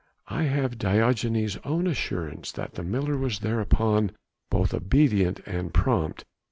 I have Diogenes' own assurance that the miller was thereupon both obedient and prompt.